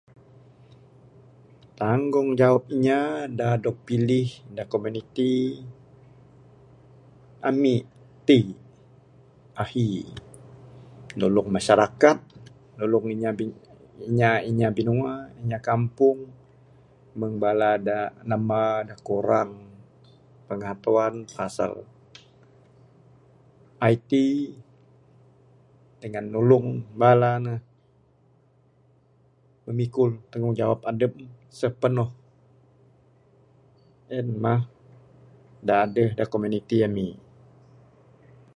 Tanggungjawab inya da pilih da komuniti ami ti ahi nulung masyarakat, nulung inya bi inya inya binua, inya kampung meng bala da namba da kurang pengatuan pasal IT dengan nulung bala ne memikul tanggungjawab adep ne sepenuh en mah da adeh da komuniti ami.